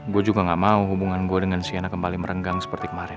gue juga gak mau hubungan gue dengan siana kembali merenggang seperti kemarin